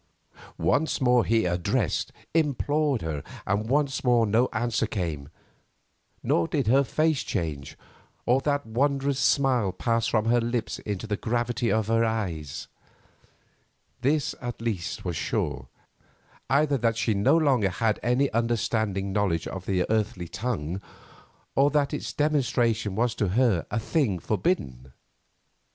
Once more he addressed—implored her, and once more no answer came; nor did her face change, or that wondrous smile pass from her lips into the gravity of her eyes. This, at least, was sure; either that she no longer had any understanding knowledge of his earthly tongue, or that its demonstration was to her a thing forbidden.